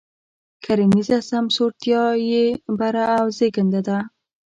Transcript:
کرنیزه سمسورتیا یې بره او زېږنده ده.